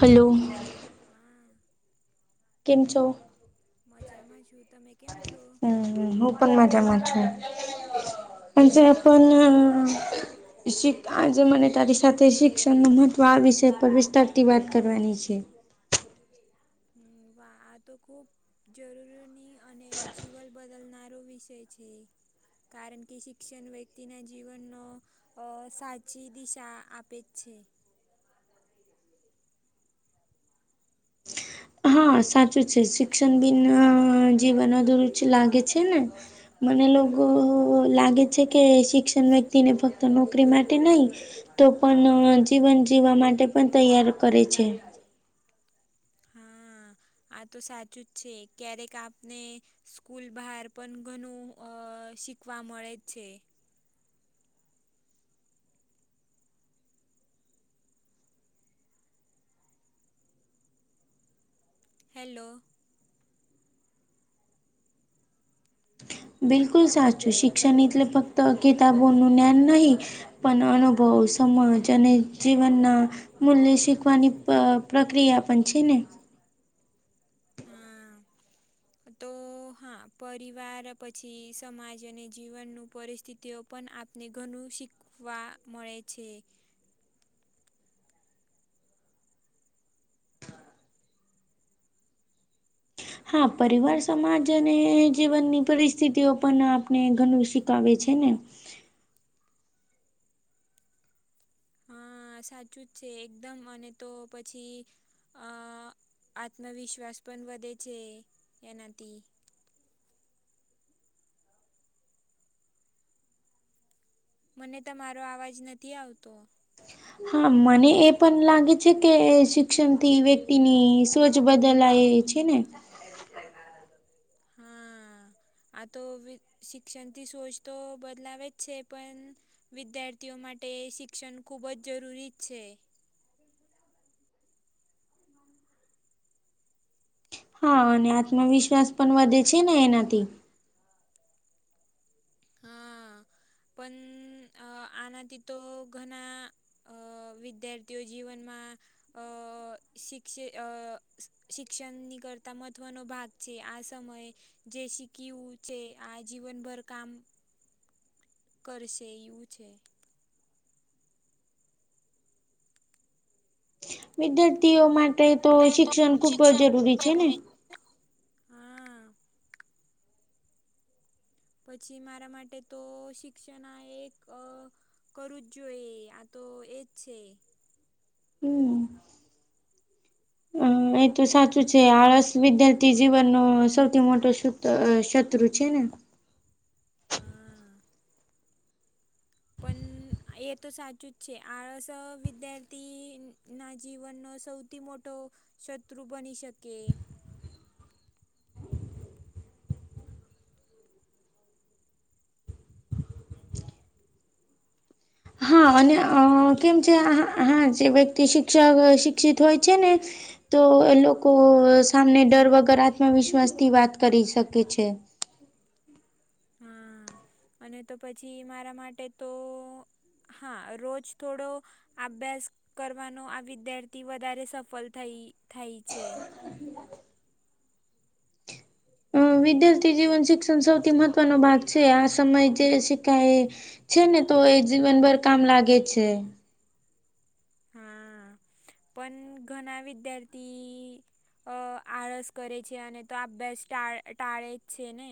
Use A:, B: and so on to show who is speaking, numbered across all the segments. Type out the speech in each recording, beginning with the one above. A: Hello.
B: હા.
A: કેમ છો?
B: મજામાં છું. તમે કેમ છો?
A: હું પણ માજા મા જ છું. આજે મને તારી સાથે શિક્ષણનું મહત્ત્વ આ વિષય પર વિસ્તારથી વાત કરવાની છે.
B: હમ વા તો ખૂબ જરૂરીની અને જીવન બદલનારો વિષય છે. કારણ કે શિક્ષણ વ્યક્તિના જીવનનો અ સાચી દિશા આપે છે.
A: હા સાચું છે શિક્ષણ બિન જીવન અધુરુચ લાગે છે ને મને લોકો લાગે છે કે શિક્ષણ વ્યક્તિને ફક્ત નોકરી માટે નહી તો પણ જીવન જીવવા માટે પણ તૈયાર કરે છે.
B: હા આ તો સાચું જ છે ક્યારેક આપને સ્કૂલ બહાર પણ ઘણું અ શીખવા મળે જ છે. હેલો.
A: બિલકુલ સાચું શિક્ષણટલે ફક્ત કિતાબોનું જ્ઞાન નહી. પણ અનુભવ સમાજ અને જીવનના. મૂલ્ય શીખવાની પ્રક્રિયા પણ છે ને
B: હમ.
A: હ.
B: તો હા પરિવાર પછી સમાજ અને જીવનનું પરિસ્થિતિઓ. પણ આપને ઘણું શીખવા મળે છે.
A: હા પરિવાર સમાજ અને જીવનની પરિસ્થિતિઓ પણ આપણે ઘણું શીખ. આવેે છે ને
B: હા સાચું જ છે એકદમ અને તો પછી. આત્મવિશ્વાસ પણ વધે છે એનાથી. મને તમારો અવાજ નથી આવતો.
A: હા મને એ પણ લાગે છે કે શિક્ષણ થી વક્ તેની સોચ બદલાય છે ને.
B: હા. આ તો શિક્ષણથી સોચ તો બદલાવે જ છે પણ વિદ્યાર્થીઓ માટે શિક્ષણ ખૂબ જ જરૂરી છે.
A: હા અને આત્મવિશ્વાસ પણ વધે છે ને એનાથી.
B: હા પણ અ આનાથી તો ઘણા અ વિદ્યાર્થીઓ જીવનમાં અ શિક્ષી અ શિક્ષણની કરતા મહત્વનો ભાગ છે. આ સમયે જે શીખ્યું છે આ જીવનભર કામ કરશે એવું છે.
A: વિદ્યાર્થીઓ માટે તો શિક્ષણ ખુબ જરૂરી છે ને?
B: હા પછી મારા માટે તો શિક્ષણ આ એક અ કરું જ જોઈએ આ તો એજ છે.
A: હમ. એ તો સાચું છે આળસ વિદ્યાર્થી જીવનનો સૌથી મોટો શત્રુ છે ને.
B: હા. પન એ તો સાચું જ છે આળસ વિદ્યાર્થી ના જીવનનો સૌ સૌથી મોટો શત્રુ બની શકે.
A: હા અને અ કેમ છે હા જે વ્યક્તિ શિક્ષક શિક્ષિત હોય છે ને તો એ લોકો સામને ડર વગર આત્મવિશ્વાસથી વાત કરી શકે છે.
B: હા અને તો પછી મારા માટે તો હા રોજ થોડો આભ્યાસ કરવાનો આ વિદ્યાર્થી વધારે સફલ થઈ થાય છે.
A: અ વિદ્યાર્થી જીવન શિક્ષણ સૌથી મહત્વનો ભાગ છે. આ સમય જે શીખાય એ છે ને તો એ જીવનભર કામ લાગે છે.
B: હા પણ ઘણા વિદ્યાર્થી અ આળસ કરે છે. અને તો અભ્યાસ ટા ટાળે જ છે ને?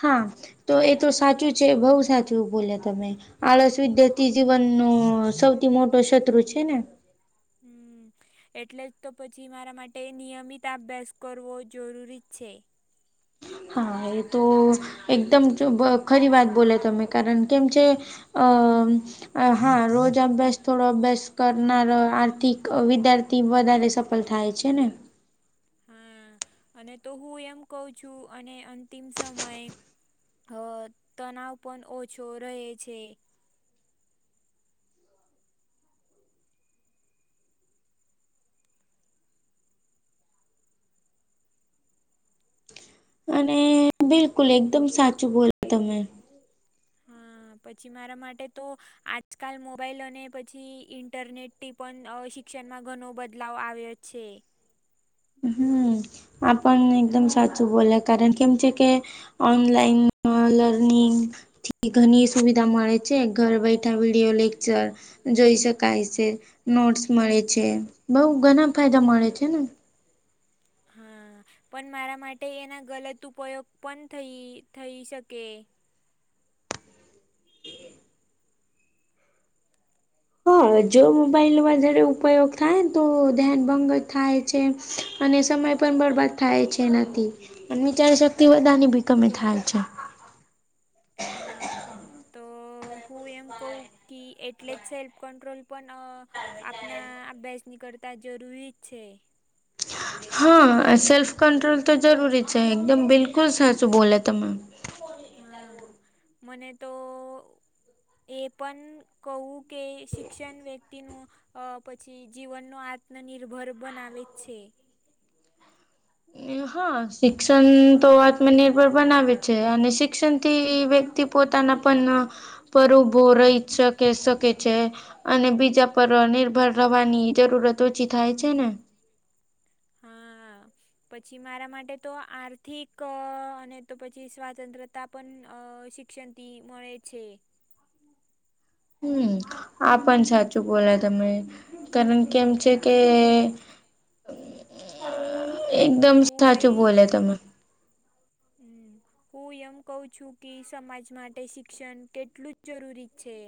A: હા તો એ તો સાચું છે બઉ સાચું બોલ્યા તમે. આળસ વિદ્યાર્થી જીવનનું સૌથી મોટો શત્રુ છે ને?
B: હમ. એટલે જ તો પછી મારા માટે નિયમિત આભ્યાસ કરવો જરૂરી જ છે.
A: હા એ તો એકદમ જો ખરી વાત બોલે તમે કારન કેમ છે. અમ અ હા રોજ અભ્યાસ થોડો અભ્યાસ કરનાર આર્થિક વિદ્યા થી વધારે સફલ થાય છે ને?
B: હા અને તો હું એમ કઉ છું અને અંતિમ સમયે અ તનાવ પન ઓછો રહે છે.
A: અને બિલકુલ એકદમ સાચું બોલ્યા તમે.
B: હા પછી મારા માટે તો આજકાલ મોબાઈલ અને પછી ઇન્ટરનેટ તે પન શિક્ષણમાં ઘનો બદલાવ આવ્યો જ છે.
A: હમ આ પન એકદમ સાચું બોલ્યા કારણ કેમ છે કે ઓનલાઈન અ લર્નિંગ થી ઘની સુવિધા મળે છે ઘર બેઠા વિડીયો લેક્ચર જોઈ શકાય સે, નોટ્સ મળે છે, બઉ ઘણા ફાયદા મળે છે ને?
B: હા પન મારા માટે એના ગલત ઉપયોગ પન થઈ થઈ શકે.
A: હહ જો મોબાઈલ વધારે ઉપયોગ થાય ને તો ધ્યાન ભંગ થાય. છે અને સમય પણ બરબાદ થાય છે એનાથી, અને વિચારી શક તી
B: હા
A: બધાની ભી કમી થાય છે.
B: હા તો તો હું એમ કઉં કી એટલે જ સેલ્ફ કંટ્રોલ પન અ આપના અભ્યાસ નીકળતા જરૂરી જ છે.
A: હા સેલ્ફ કંટ્રોલ તો જરૂરી જ છે. એકદમ બિલકુલ સાચું બોલ્યા તમે.
B: હા મને તો એ પણ કઉં કે શિક્ષન વ્યક્તિનું અ પછી જીવનનો આત્મનિર્ભર બનાવે જ છે.
A: એ હહ હા શિક્ષન તો આત્મનિર્ભર બનાવે છે અને શિક્ષનથી વ્યક્તિ પોતાના પન પર ઉભો રહી જ શકે શકે છે. અને બીજા પર નિર્ભર રવાની જરૂરત ઓછી થાય છે ને?
B: હા પછી મારા માટે તો આર્થિક અને તો પછી સ્વાતંત્ર તા પન અ શિક્ષનથી મળે છે.
A: હમ આ પન સાચું બોલ્યા તમે કારન કેમ છે કે
B: હમ
A: અ એકદમ
B: હું
A: સાચું
B: ભાઈ
A: બોલ્યા તમે.
B: હમ હું એમ કઉં છી કે સમાજ માટે શિક્ષણ તેટલું જ જરૂરી છે.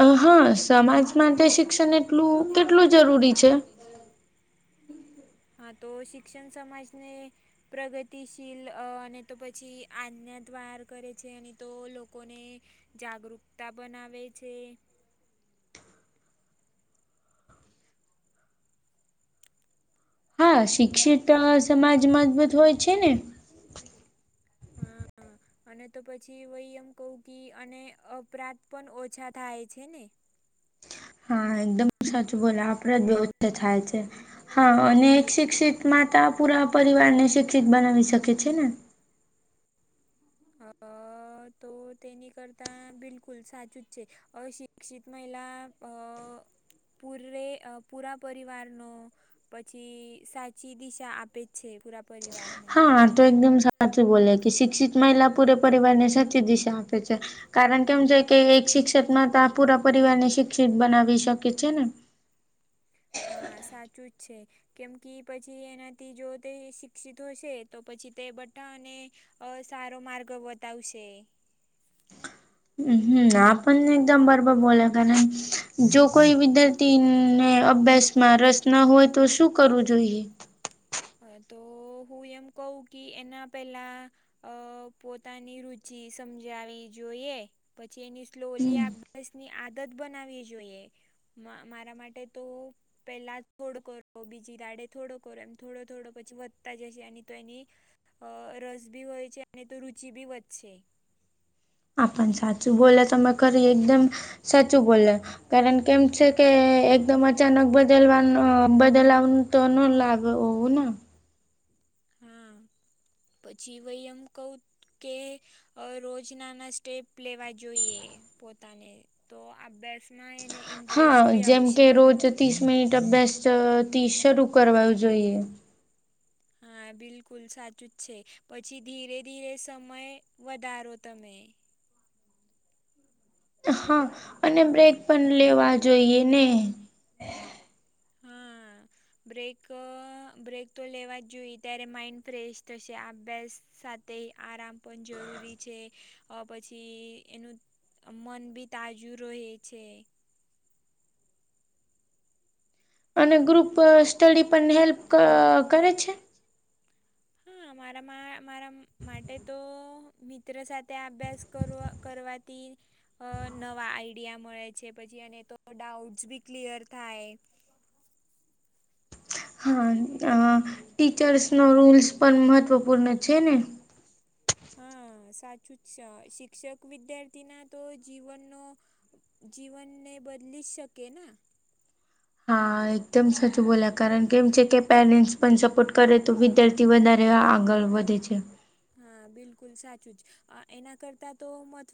A: અ હહ સમાજ માટે શિક્ષણ એટલું કેટલું જરૂરી છે?
B: હા તો શિક્ષણ સમાજને પ્રગતિશીલ અને તો પછી આજ્ઞદ્વાર કરે છે અને તો લોકોને જાગૃકતા બનાવે છે.
A: હા શિક્ષિત સમાજ મજબૂત હોય છે ને?
B: હા અને તો પછી વય એમ કહું કી અને અપરાધ પન ઓછા થાય છે ને?
A: હા એકદમ સાચું બોલા આપડે જ બહુ એ થાય છે. હા અને એક શિક્ષિત માતા પુરા પરિવારને શિક્ષિત બનાવી શકે છે ને?
B: અ તો તેની કરતા બિલકુલ સાચું જ છે. અશિક્ષિત મહિલા અ પૂરેરે પુરાપિવારનો. પછી સાચી દિશા આપે જ છે પુરા પરિવારને.
A: હા તો એકદમ સાચું બોલે કે શિક્ષિત મહિલા પૂરે પરિવાર ને સાચી દિશા આપે છે. કારણ કેમ છે કે એક શિક્ષક માં તો આ પૂરા પરિવાર ને શિક્ષિત બનાવી શકે છે ને.
B: હા સાચું જ છે. કેમ કે પછી એનાથી જો તે શિક્ષિત હશે તો પછી તે બટાને. અ સારો માર્ગ બતાવશે.
A: હમ આપ પણ એકદમ બરોબર બોલો કારણ, જો કોઈ વિદ ને અભ્યાસ માં રસ ના હોય તો શું કરવું જોઈએ?
B: હ તો હું એમ કહ કે એના પેલા અ પોતાની રુચિ સમજાવી જોઈએ. પછી એની સ્લોલી
A: હમ
B: અભ્યાસ ની આદત બનાવી જોઈએ. મારા માટે તો પેલા થોડો કરો બીજી દાડે થોડો કરો એમ. થોડો થોડો પછી વધતા જશે અને તો એની. અ રસ બી હોય છે અને તો રુચિ બી વધશે.
A: આપ પણ સાચું બોલો તમે ખરી એકદમ સાચું બોલો, કારણ કેમ છે કે એકદમ અચાનક બદલવાનું બદલાવાનું તો ન લાગે હોવું ને.
B: હા પછી વય એમ કવ કે અ રોજ નાના સ્ટેપ લેવા જોઈએ પોતાને તો અભ્યાસમાં એને ઇન્ટરેસ્ટ
A: હા
B: બી
A: જેમ કે
B: આવશે.
A: રોજ ત્રીસ મિનિટ અભ્યાસથી શરૂ કરવા જોઈએ.
B: હા બિલકુલ સાચું જ છે પછી, ધીરે ધીરે સમય વધારો તમે.
A: હા અને બ્રેક પણ લેવા જોઈએ ને.
B: હા
A: [inaudible]
B: બ્રેક બ્રેક તો લેવા જ જોઈએ ત્યારે માઇન્ડ ફ્રેશ થશે અભ્યાસ સાથે તે આરામ પણ જરૂરી છે. પછી એનું મન બી તાજું રહે છે.
A: અને ગ્રુપ સ્ટડી પણ હેલ્પ કરે છે?
B: હા મારા મારા માટે તો મિત્ર સાથે અભ્યાસ કરવો કરવાથી. નવા આઈડિયા મળે છે પછી અને તો ડાઉટ્સ બી ક્લિયર થાય.
A: હા ટીચર્સનો રૂલ્સ પણ મહત્વપૂર્ણ છે ને.
B: હા સાચું જ છે શિક્ષક વિદ્યાર્થી ના તો જીવનનો જીવનને બદલી શકે ના.
A: હા એકદમ સાચું બોલ કારણ કે જે કે પેરેન્ટ્સ પણ સપોર્ટ કરે તો વિદારથી વધારે આગળ વધે છે.
B: હા બિલકુલ સાચું જ, એના કરતા તો મહત્વ